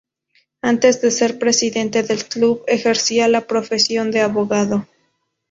Antes de ser presidente del club, ejercía la profesión de abogado.